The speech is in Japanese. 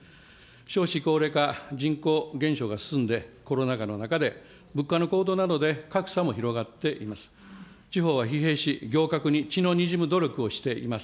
少子高齢化、人口減少が進んで、コロナ禍の中で物価の高騰などで格差も広がっています。